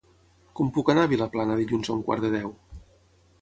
Com puc anar a Vilaplana dilluns a un quart de deu?